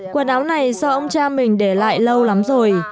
quần áo này do ông cha mình để lại lâu lắm rồi